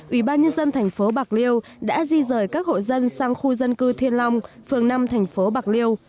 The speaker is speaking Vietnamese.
ủy ban nhân dân thành phố bạc liêu đã di rời các hộ dân sang khu dân cư thiên long phường năm thành phố bạc liêu